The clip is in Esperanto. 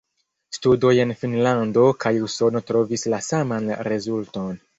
Studoj en Finnlando kaj Usono trovis la saman rezulton.